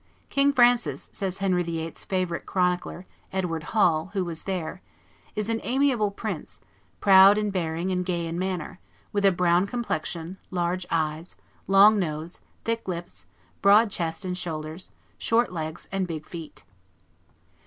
"King Francis," says Henry VIII.'s favorite chronicler, Edward Hall, who was there, "is an amiable prince, proud in bearing and gay in manner, with a brown complexion, large eyes, long nose, thick lips, broad chest and shoulders, short legs, and big feet."